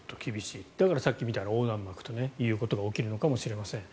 だからさっきみたいな横断幕みたいなことが起きるのかもしれません。